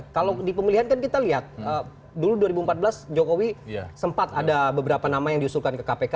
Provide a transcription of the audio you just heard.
kalau di pemilihan kan kita lihat dulu dua ribu empat belas jokowi sempat ada beberapa nama yang diusulkan ke kpk